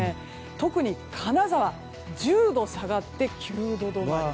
特に金沢は１０度下がって９度止まり。